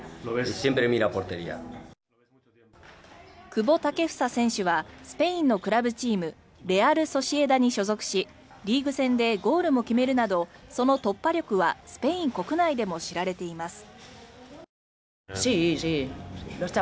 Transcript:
久保建英選手はスペインのクラブチームレアル・ソシエダに所属しリーグ戦でゴールも決めるなどその突破力はスペイン国内でも知られています。